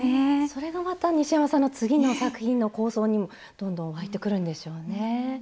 それがまた西山さんの次の作品の構想にもどんどん湧いてくるんでしょうね。